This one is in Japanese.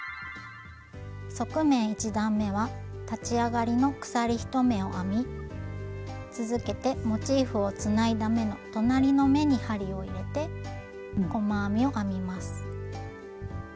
側面１段めは立ち上がりの鎖１目を編み続けてモチーフをつないだ目の隣の目に針を入れて細編みを編みます。